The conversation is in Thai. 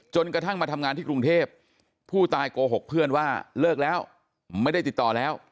กระทั่งมาทำงานที่กรุงเทพผู้ตายโกหกเพื่อนว่าเลิกแล้วไม่ได้ติดต่อแล้ว